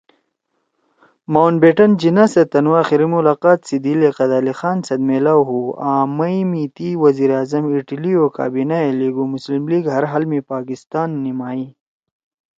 ماؤنٹ بیٹن جناح سیت تنُو آخری ملاقات سی دی لیاقت علی خان سیت میِلاؤ ہُو آن مئی می تی وزیر اعظم ایٹلی او کابینہ ئے لیِگُو ”مسلم لیگ ہر حال می پاکستان نیِمائی